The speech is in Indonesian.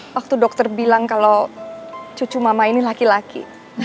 waktu dokter bilang kalau cucu mama ini laki laki